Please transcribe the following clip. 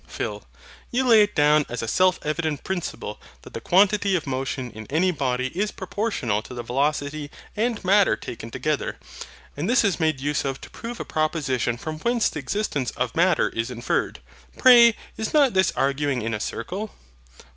PHIL. You lay it down as a self evident principle that the quantity of motion in any body is proportional to the velocity and MATTER taken together; and this is made use of to prove a proposition from whence the existence of MATTER is inferred. Pray is not this arguing in a circle?